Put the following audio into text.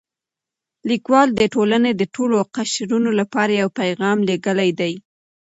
لیکوال د ټولنې د ټولو قشرونو لپاره یو پیغام لېږلی دی.